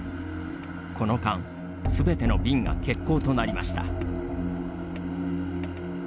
この間すべての便が欠航となりました。